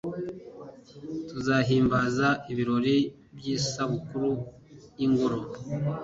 tuzahimbaza ibirori by'isabukuru y'ingoro